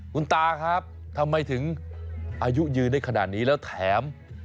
คุณตาครับทำไมถึงอายุยืนได้ขนาดนี้แล้วแถม